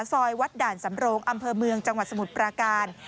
ซอยวัดด่านสำโรงอำเภอเมืองจังหวัดสมุทรปราการ